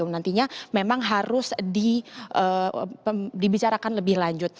nantinya memang harus dibicarakan lebih lanjut